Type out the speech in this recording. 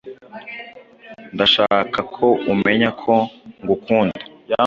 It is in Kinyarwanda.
Ndashaka ko umenya ko ngukunda.